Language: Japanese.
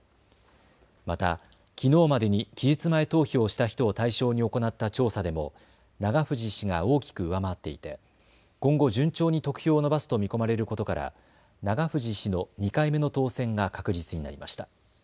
またきのうまでに期日前投票をした人を対象に行った調査でも永藤氏が大きく上回っていて今後、順調に得票を伸ばすと見込まれることから永藤氏の２回目の当選が確実になりました。